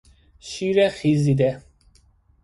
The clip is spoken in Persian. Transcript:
شیر خیزیده